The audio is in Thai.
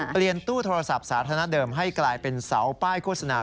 ตู้โทรศัพท์สาธารณะเดิมให้กลายเป็นเสาป้ายโฆษณา